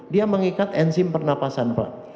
dia mengikat enzim pernapasan pak